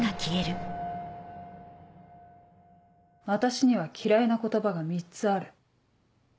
私には嫌いな言葉が３つある。